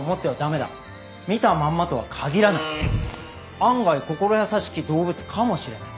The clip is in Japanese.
案外心優しき動物かもしれない。